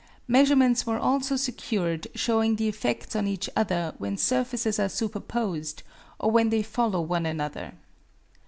Measurements were also secured showing the effects on each other when surfaces are superposed, or when they follow one another.